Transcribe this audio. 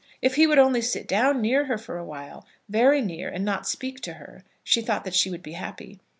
If he would only sit down near her for awhile, very near, and not speak to her, she thought that she would be happy.